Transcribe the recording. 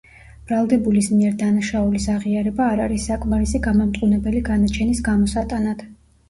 ბრალდებულის მიერ დანაშაულის აღიარება არ არის საკმარისი გამამტყუნებელი განაჩენის გამოსატანად.